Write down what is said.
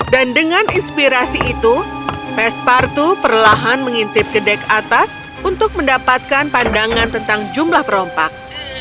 dan dengan inspirasi itu pesparto perlahan mengintip gedek atas untuk mendapatkan pandangan tentang jumlah perompak